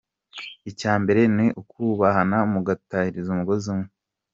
Icya mbere ni ukubahana mugatahiriza umugozi umwe.